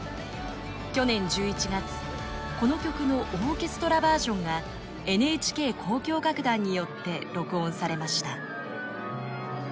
去年１１月この曲のオーケストラバージョンがＮＨＫ交響楽団によって録音されました。